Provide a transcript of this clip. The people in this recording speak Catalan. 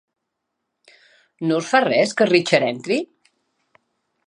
No us fa res que Richard entri?